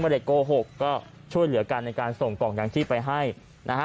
โกหกก็ช่วยเหลือกันในการส่งกล่องยางชีพไปให้นะฮะ